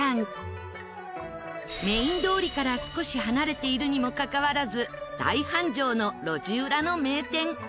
メイン通りから少し離れているにもかかわらず大繁盛の路地裏の名店。